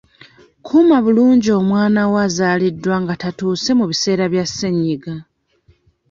Kuuma bulungi omwana wo azaaliddwa nga tatuuse mu biseera bya ssenyiga.